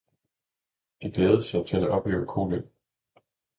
De glædede sig til at opleve Kolind